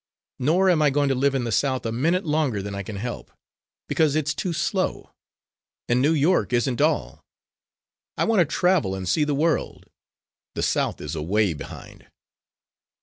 Nor am I going to live in the South a minute longer than I can help, because it's too slow. And New York isn't all I want to travel and see the world. The South is away behind."